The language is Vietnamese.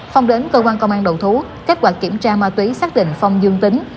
phong đến cơ quan công an đầu thú kết quả kiểm tra ma túy xác định phong dương tính